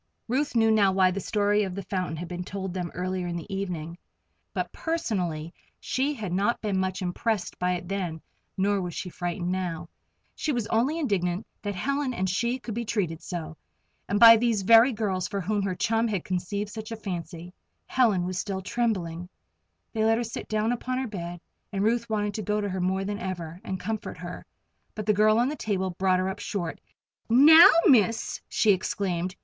Ruth knew now why the story of the fountain had been told them earlier in the evening, but personally she had not been much impressed by it then, nor was she frightened now. She was only indignant that Helen and she should be treated so and by these very girls for whom her chum had conceived such a fancy. Helen was still trembling. They let her sit down upon her bed, and Ruth wanted to go to her more than ever, and comfort her. But the girl on the table brought her up short. "Now, Miss!" she exclaimed.